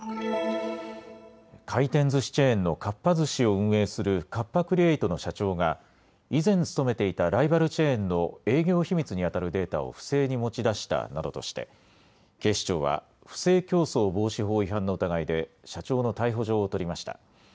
回転ずしチェーンのかっぱ寿司を運営するカッパ・クリエイトの社長が以前、勤めていたライバルチェーンの営業秘密にあたるデータを不正に持ち出したなどとして警視庁は不正競争防止法違反の疑いで社長の逮捕状を取りました。